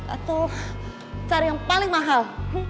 atau cari yang paling mahal